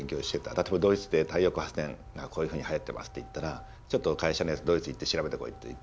例えばドイツで太陽光発電がこういうふうにはやってますって言ったらちょっと会社のやつドイツ行って調べてこいって言って。